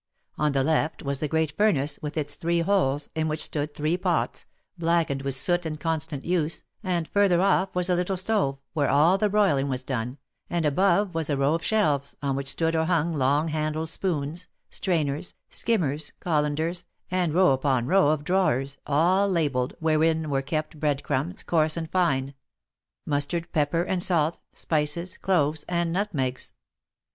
On the left was the great furnace, with its three holes, in which stood three pots, blackened with soot and constant use, and further off was a little stove, \ where all the broiling was done, and above was a row of shelves, on which stood or hung long handled spoons, strainers, skimmers, colanders, and row upon row of drawers, all labelled, wherein were kept bread crumbs, coarse and fine ; mustard, pepper and salt, spices, cloves and nutmegs.